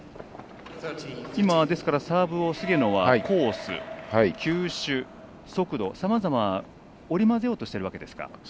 今、サーブを菅野はコース球種、速度、さまざま織り交ぜようとしているわけですか。